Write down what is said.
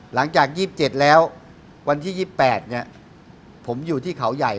หลังจาก๒๗แล้ววันที่๒๘ผมอยู่ที่เขาใหญ่